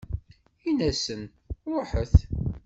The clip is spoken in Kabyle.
Inna-asen: Ṛuḥet!